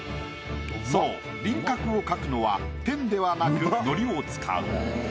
そう輪郭を描くのはペンではなく糊を使う。